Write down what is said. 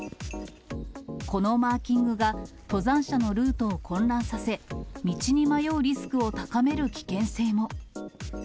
このマーキングが登山者のルートを混乱させ、道に迷うリスクを高める危険性も。